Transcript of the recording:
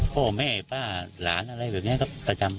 พ่อแม่ป้าหลานอะไรแบบนี้ก็ประจำ